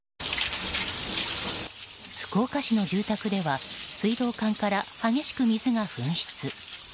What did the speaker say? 福岡市の住宅では水道管から激しく水が噴出。